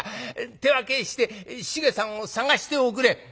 『手分けして繁さんを捜しておくれ』。